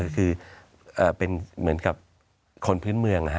คือเป็นเหมือนกับคนพื้นเมืองนะฮะ